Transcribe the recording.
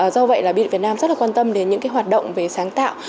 do vậy là biêu điện việt nam rất là quan tâm đến những hoạt động về sáng tạo